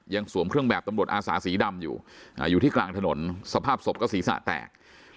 สวมเครื่องแบบตำรวจอาสาสีดำอยู่อยู่ที่กลางถนนสภาพศพก็ศีรษะแตก